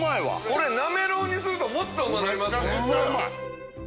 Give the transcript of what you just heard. これなめろうにするともっとうまなりますね。